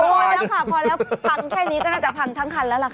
พอแล้วพังแค่นี้ก็น่าจะพังทั้งคันแล้วล่ะค่ะ